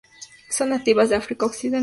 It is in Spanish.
Son nativas de África occidental.